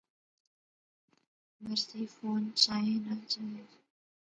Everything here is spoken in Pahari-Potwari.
مرضی فون چائیں نہ چائیں